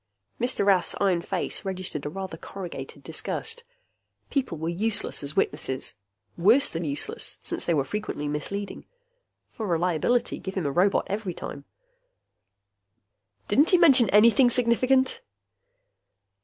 Mr. Rath's iron face registered a rather corrugated disgust. People were useless as witnesses. Worse than useless, since they were frequently misleading. For reliability, give him a robot every time. "Didn't he mention anything significant?"